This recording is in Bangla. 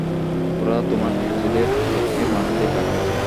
ওরা তোমায় নিজেদের লোককে মারতেই পাঠিয়েছে।